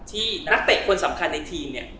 ที่นักเต็กสำคัญในทีน